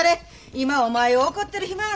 今お前を怒ってる暇はない。